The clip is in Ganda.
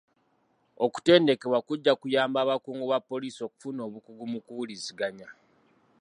Okutendekebwa kujja kuyamba abakungu ba bapoliisi okufuna obukugu mu kuwuliziganya.